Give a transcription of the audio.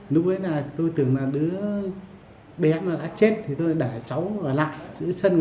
lúc ấy tôi tưởng là đứa bé đã chết tôi để cháu ở lại giữa sân